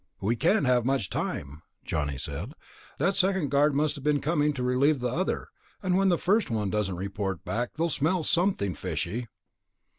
"We can't have much time," Johnny said. "That second guard must have been coming to relieve the other, and when the first one doesn't report back, they'll smell something fishy."